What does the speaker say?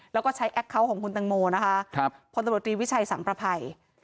แล้วก็ใช้แอคเคาน์ของคุณตังโมนะคะพลตำรวจรีวิชัยสังประภัย